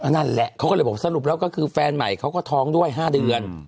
นั่นแหละเขาก็เลยบอกสรุปแล้วก็คือแฟนใหม่เขาก็ท้องด้วย๕เดือน